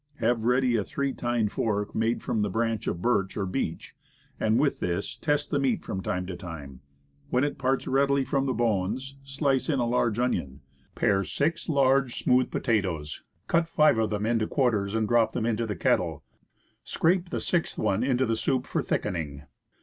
Have ready a three tined fork made from a branch of birch or beech, and with this test the meat from time to time; when it parts readily from the bones, slice in a large onion. Pare six large, smooth potatoes, cut five of them into quar ters, and drop them into the kettle; scrape the sixth one into the soup for thickening.